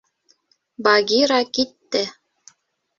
Багира китте.